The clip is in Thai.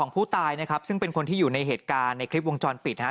ผู้ตายนะครับซึ่งเป็นคนที่อยู่ในเหตุการณ์ในคลิปวงจรปิดฮะ